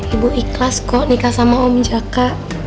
ibu ikhlas kok nikah sama om jaka